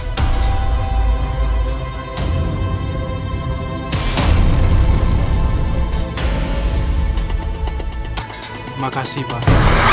terima kasih mbah